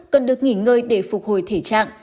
cần được nghỉ ngơi để phục hồi thể trạng